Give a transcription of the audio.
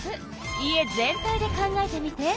家全体で考えてみて。